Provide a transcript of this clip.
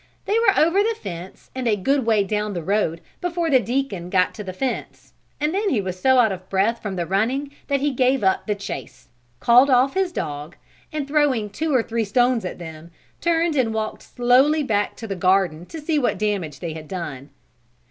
They were over the fence and a good way down the road before the deacon got to the fence, and then he was so out of breath from running that he gave up the chase, called off his dog, and throwing two or three stones at them, turned and walked slowly back to the garden to see what damage they had done.